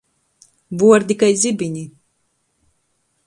Vuordi kai zibini.